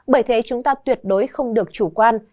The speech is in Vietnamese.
bởi thế chúng ta tuyệt đối không được chủ quan